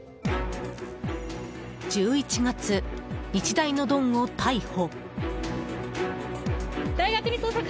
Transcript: １１月、日大のドンを逮捕。